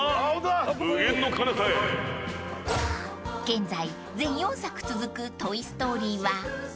［現在全４作続く『トイ・ストーリー』は］